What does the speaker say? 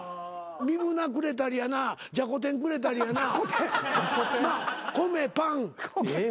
ミブナくれたりやなじゃこ天くれたりやな米パン。